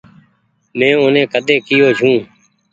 مين اوني ڪۮي ڪي يو ڇون۔